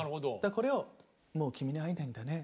これを「もう君に会えないんだね」